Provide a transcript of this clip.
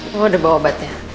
nih mau udah bawa obatnya